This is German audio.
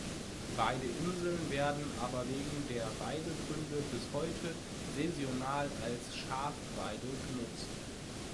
Beide Inseln werden aber wegen der Weidegründe bis heute saisonal als Schafweide genutzt.